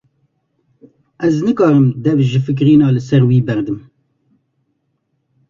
Ez nikarim dev ji fikirîna li ser wî berdim.